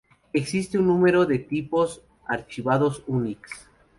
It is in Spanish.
Existe un número de tipos de archivos Unix.